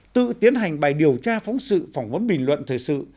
tự tiến hành bài điều tra phóng sự phỏng vấn bình luận thời sự